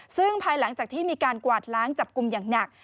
ซึ่งภายหลังจากที่มีการกวาดล้างจับกลุ่มอย่างหนัก